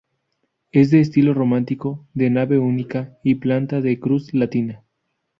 Es de estilo románico, de nave única y planta de cruz latina.